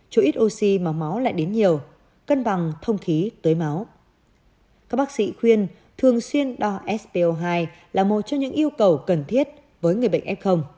các bác sĩ khuyên thường xuyên đo spo hai là một trong những yêu cầu cần thiết với người bệnh f